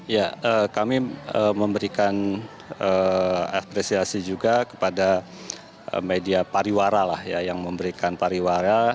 ya kami memberikan apresiasi juga kepada media pariwara lah ya yang memberikan pariwara